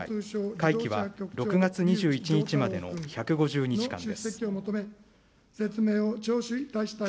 会期は６月２１日までの１５０日間です。